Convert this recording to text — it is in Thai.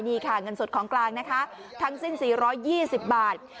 นี่ค่ะเงินสดของกลางนะคะทั้งสิ้น๔๒๐บาท